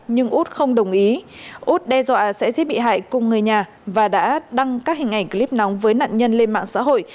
nhưng út không đồng ý út đe dọa sẽ giết bị hại cùng người nhà và đã đăng các hình ảnh clip nóng với nạn nhân lên mạng xã hội